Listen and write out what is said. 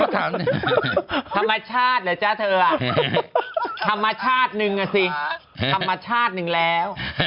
ธรรมชาติเหรอจ๊ะเธอธรรมชาติหนึ่งอ่ะสิธรรมชาติหนึ่งแล้ว